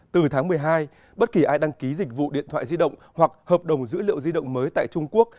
từ tháng một mươi hai bất kỳ ai đăng ký dịch vụ điện thoại di động hoặc hợp đồng dữ liệu di động mới tại trung quốc